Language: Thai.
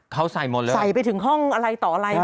เขาใส่หมดเลยใส่ไปถึงห้องอะไรต่ออะไร